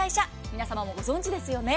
皆様もご存じですよね。